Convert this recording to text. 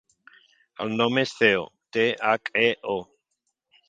El nom és Theo: te, hac, e, o.